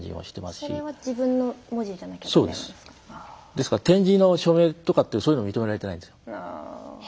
ですから点字の署名とかってそういうのは認められていないんですよ。